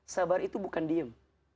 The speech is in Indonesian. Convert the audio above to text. sabar itu bukan diem